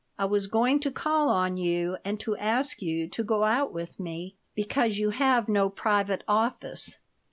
I was going to call on you and to ask you to go out with me, because you have no private office."